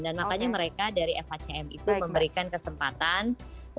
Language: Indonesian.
dan makanya mereka dari fhcm itu memberikan kesempatan untuk local brand dunia untuk bisa offer